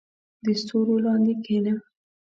• د ستورو لاندې کښېنه.